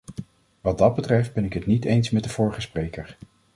Wat dat betreft ben ik het niet eens met de vorige spreker.